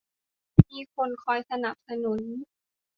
มีคนคอยสนับสนุน